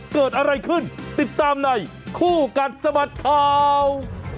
เกิดอะไรขึ้นติดตามในคู่กัดสะบัดข่าว